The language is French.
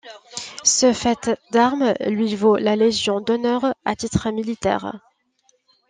Ce fait d'armes lui vaut la Légion d'honneur à titre militaire.